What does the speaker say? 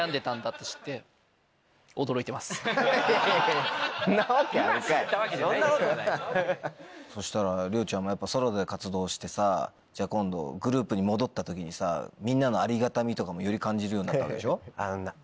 ・今知ったわけじゃないでしょ・そしたら涼ちゃんもやっぱソロで活動してさ今度グループに戻った時にさみんなのありがたみとかもより感じるようになったわけでしょ。